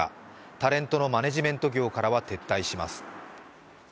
タレントのマネジメント業からは撤退します。